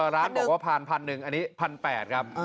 ร้านบอกว่าพันหนึ่งอันนี้๑๘๐๐ครับ